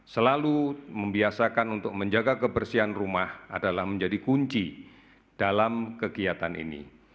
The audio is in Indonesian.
selalu membiasakan untuk menjaga kebersihan rumah adalah menjadi kunci dalam kegiatan ini